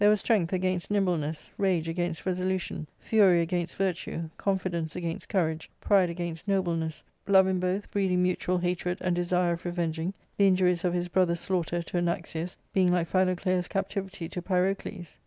— Book liL 375 was strength against nimbleness, rage against resolution, fury "^ against virtue, confidence against courage, pride against ^^lJ nobleness ; love in both breeding mutual hatred and desire < i// ," of revenging, the injuries of his brothers' slaughter to Anaxius 'i being like Philoclea's captivity to Pyrocles.